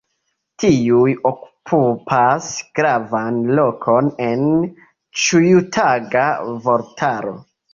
Tiuj okupas gravan lokon en ĉiutaga vortaro.